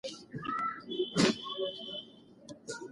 ویرا روبین ټیلسکوپ نوي اجرام کشف کړل.